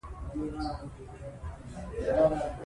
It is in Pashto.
رسوب د ټولو افغان ښځو په ژوند کې هم رول لري.